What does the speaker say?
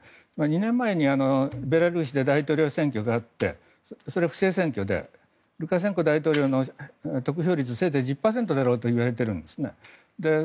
２年前にベラルーシで大統領選挙があってそれは不正選挙でルカシェンコ大統領の得票率はせいぜい１０％だろうと言われているんですね。